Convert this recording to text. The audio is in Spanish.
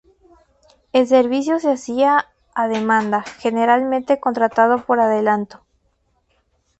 El servicio se hacía "a demanda", generalmente contratado por adelantado.